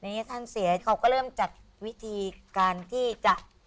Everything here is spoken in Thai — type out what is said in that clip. อันนี้ท่านเสียเขาก็เริ่มจัดวิธีการที่จะ